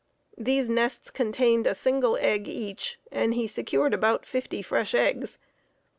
These nests contained a single egg each, and he secured about fifty fresh eggs.